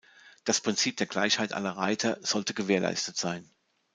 Das Prinzip der Gleichheit aller Reiter solle gewährleistet sein.